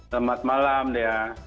selamat malam dea